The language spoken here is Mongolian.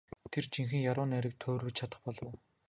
Тэр жинхэнэ яруу найраг туурвиж чадах болов уу?